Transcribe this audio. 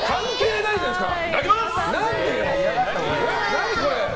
何これ？